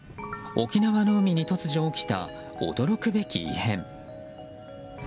沖縄の海に突如起きた驚くべき異変。